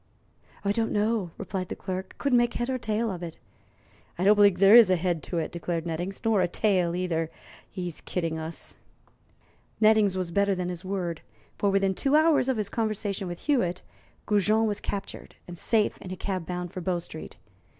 "Don't know," replied the clerk. "Couldn't make head nor tail of it." "I don't believe there is a head to it," declared Nettings; "nor a tail either. He's kidding us." Nettings was better than his word, for within two hours of his conversation with Hewitt, Goujon was captured and safe in a cab bound for Bow Street.